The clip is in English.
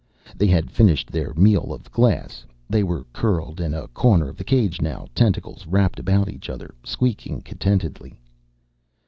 They had finished their meal of glass. They were curled in a corner of the cage now, tentacles wrapped about each other, squeaking contentedly.